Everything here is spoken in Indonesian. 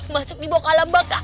masuk di bokalambaka